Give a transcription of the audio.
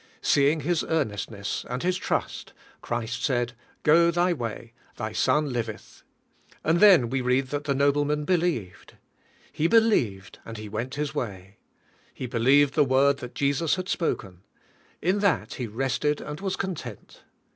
Seeing his earnestness and his trust, Christ said, "Go thy way; th}? son iiveth." And then we read that the nobleman believed. He believed, and he went his wa3^ He believed the word that Jesus had spoken. In that he rested and was content.